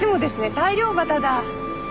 大漁旗だ。